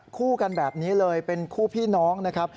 คู่กันแบบนี้เลยเป็นคู่พี่น้องนะครับ